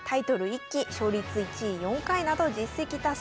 １期勝率１位４回など実績多数。